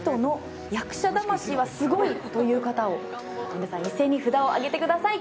皆さん一斉に札を上げてください